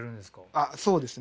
あっそうですね。